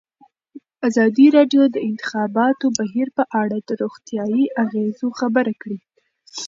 ازادي راډیو د د انتخاباتو بهیر په اړه د روغتیایي اغېزو خبره کړې.